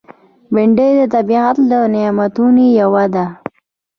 بېنډۍ د طبیعت له نعمتونو یوه ده